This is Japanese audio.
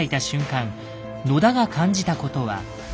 野田が感じたことは。